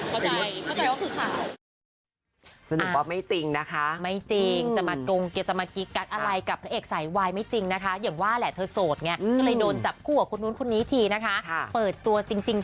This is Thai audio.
เข้าใจเข้าใจว่าคือข่าว